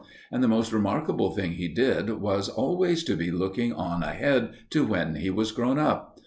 And the most remarkable thing he did was always to be looking on ahead to when he was grown up.